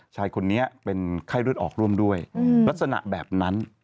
ชายคนนี้เป็นไข้เลือดออกร่วมด้วยลักษณะแบบนั้น